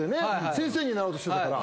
先生になろうとしてたから。